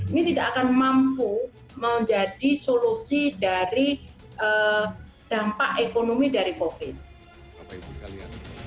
ini tidak akan mampu menjadi solusi dari dampak ekonomi dari covid